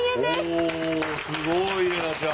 おすごい怜奈ちゃん。